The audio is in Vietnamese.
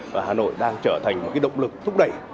và hà nội đang trở thành một động lực thúc đẩy